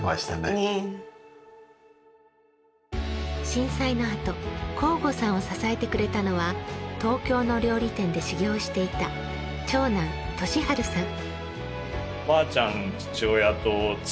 震災のあと向後さんを支えてくれたのは東京の料理店で修業していた長男稔晴さん。